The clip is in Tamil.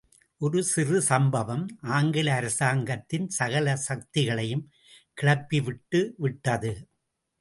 ஒரு சிறு சம்பவம் ஆங்கில அரசாங்கத்தின் சகல சக்திகளையும் கிளப்பிவிட்டு விட்டது.